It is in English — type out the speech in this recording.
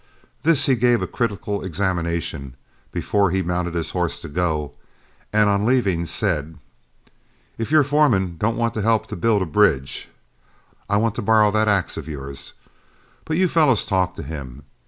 This he gave a critical examination, before he mounted his horse to go, and on leaving said, "If your foreman don't want to help build a bridge, I want to borrow that axe of yours. But you fellows talk to him.